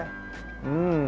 うん。